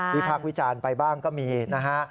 มีพิพักวิจารณ์ไปบ้างก็มีนะฮะ